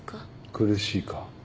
苦しいか？